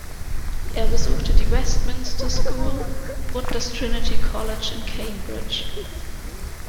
Er besuchte die Westminster School und das Trinity College in Cambridge.